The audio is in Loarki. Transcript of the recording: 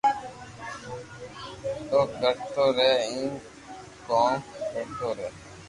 تو ڪرتو رھي ايم ڪوم ڪرتو رھي